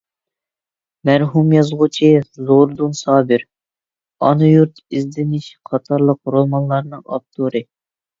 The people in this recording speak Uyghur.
مەرھۇم يازغۇچى زوردۇن سابىر — «ئانا يۇرت» ، «ئىزدىنىش» قاتارلىق رومانلارنىڭ ئاپتورى.